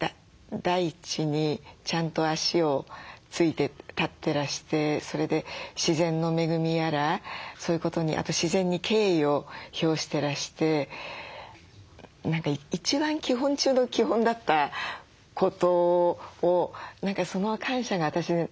大地にちゃんと足を着いて立ってらしてそれで自然の恵みやらそういうことにあと自然に敬意を表してらして一番基本中の基本だったことをその感謝が私なかったなって思ってね。